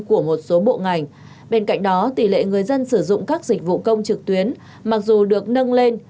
của một số bộ ngành bên cạnh đó tỷ lệ người dân sử dụng các dịch vụ công trực tuyến mặc dù được nâng lên